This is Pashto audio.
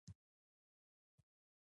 هغو پانګوالو چې پیسې سپارلې وي زیان کوي